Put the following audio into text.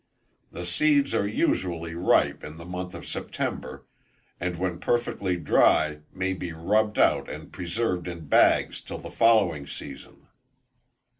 The seeds are usually ripe in the month of September, and when perfectly dry may be rubbed out and preserved in bags till the following season.